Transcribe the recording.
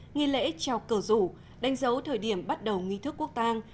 nghi lễ trào cờ rủ đánh dấu thời điểm bắt đầu nghi thức quốc tàng